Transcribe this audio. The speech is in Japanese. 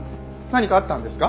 何かあったんですか？